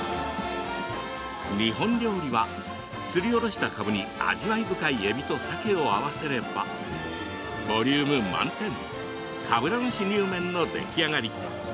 日本料理はすりおろした、かぶに味わい深いえびとさけを合わせればボリューム満点かぶら蒸しにゅうめんの出来上がり。